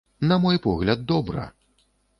На мой погляд, добра.